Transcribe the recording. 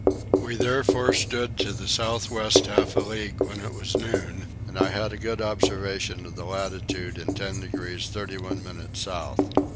We therefore stood to the south west half a league when it was noon, and I had a good observation of the latitude in 10 degrees 31 minutes south.